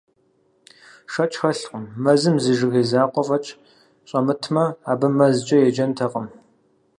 Шэч хэлъкъым: мэзым зы жыгей закъуэ фӀэкӀ щӀэмытмэ, абы мэзкӀэ еджэнтэкъым.